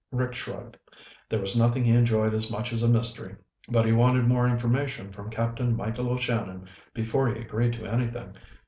Rick shrugged. There was nothing he enjoyed as much as a mystery, but he wanted more information from Captain Michael O'Shannon before he agreed to anything.